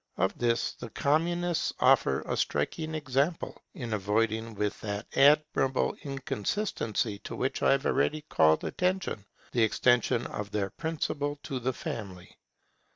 Of this the Communists offer a striking example, in avoiding, with that admirable inconsistency to which I have already called attention, the extension of their principle to the Family.